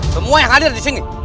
semua yang hadir disini